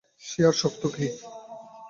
সে আর শক্ত কী।